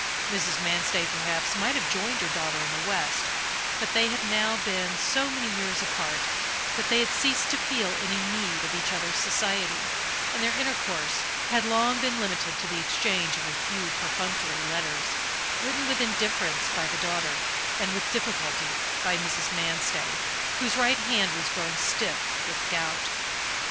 Mrs. Manstey, perhaps, might have joined her daughter in the West, but they had now been so many years apart that they had ceased to feel any need of each other's society, and their intercourse had long been limited to the exchange of a few perfunctory letters, written with indifference by the daughter, and with difficulty by Mrs. Manstey, whose right hand was growing stiff with gout.